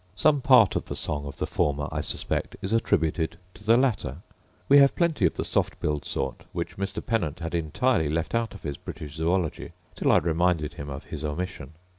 Some part of the song of the former, I suspect, is attributed to the latter. We have plenty of the soft billed sort; which Mr. Pennant had entirely left out of his British Zoology, till I reminded him of his omission.